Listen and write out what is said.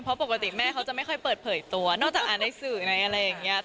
เพราะปกติแม่เขาจะไม่ค่อยเปิดเผยตัวนอกจากอ่านในสื่อในอะไรอย่างนี้